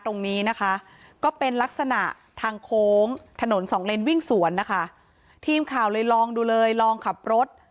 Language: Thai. ตรงนี้นะคะก็เป็นลักษณะทางโค้งถนนสองเลนวิ่งสวนนะคะทีมข่าวเลยลองดูเลยลองขับรถ